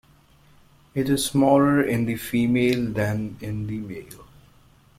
It is smaller in the female than in the male.